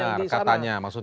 mendengar katanya maksudnya